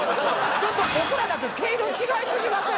ちょっと僕らだけ毛色違いすぎません？